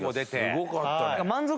すごかったね。